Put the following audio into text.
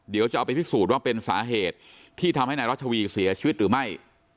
เดี๋ยวจะเอาไปพิสูจน์ว่าเป็นสาเหตุที่ทำให้นายรัชวีเสียชีวิตหรือไม่